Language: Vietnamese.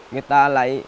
người ta lấy